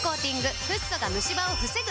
フッ素がムシ歯を防ぐ！